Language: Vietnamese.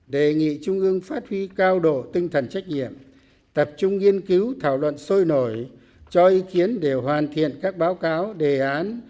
đề nghị trung ương phát huy cao độ tinh thần trách nhiệm tập trung nghiên cứu thảo luận sôi nổi cho ý kiến để hoàn thiện các báo cáo đề án